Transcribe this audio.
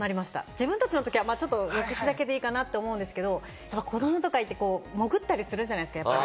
自分たちのときは浴室だけでいいかなと思うんですけれども、子どもとかって潜ったりするじゃないですか。